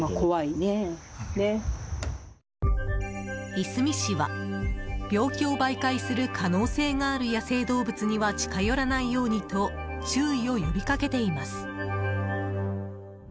いすみ市は病気を媒介する可能性がある野生動物には近寄らないようにと注意を呼び掛けています。